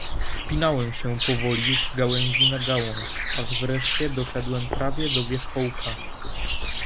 "Wspinałem się powoli z gałęzi na gałąź, aż wreszcie doszedłem prawie do wierzchołka."